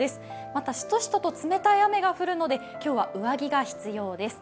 またしとしとと冷たい雨が降るので今日は上着が必要です。